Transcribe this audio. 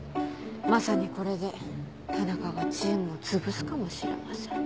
まさにこれで田中がチームをつぶすかもしれません。